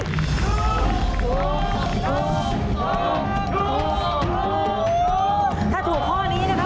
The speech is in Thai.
ถูกถูกถูกถูก